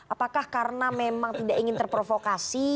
apakah karena memang tidak ingin terprovokasi